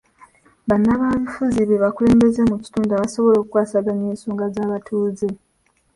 Bannabyabufuzi be bakulembeze mu kitundu abasobola okukwasaganya ensonga z'abatuuze.